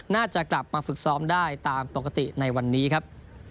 น่าจะกลับมาฝึกซ้อมได้ตามปกติในวันนี้ครับ